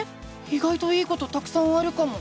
いがいといいことたくさんあるかも！